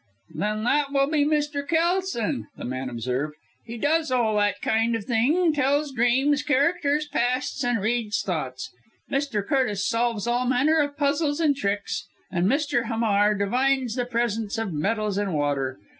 "Then, that will be Mr. Kelson," the man observed "he does all that kind of thing tells dreams, characters, pasts, and reads thoughts. Mr. Curtis solves all manner of puzzles and tricks; and Mr. Hamar divines the presence of metals and water.